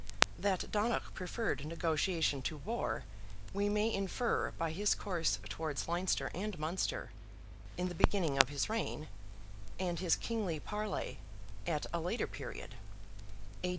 That Donogh preferred negotiation to war, we may infer by his course towards Leinster and Munster, in the beginning of his reign, and his "kingly parlee" at a later period (A.